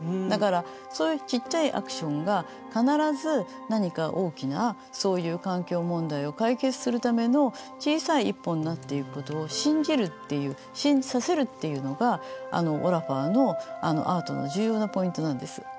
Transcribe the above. だからそういうちっちゃいアクションが必ず何か大きなそういう環境問題を解決するための小さい一歩になっていくことを「信じる」っていう「信じさせる」っていうのがオラファーのあのアートの重要なポイントなんです。